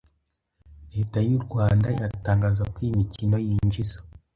Leta y’u Rwanda iratangaza ko iyi mikino yinjiza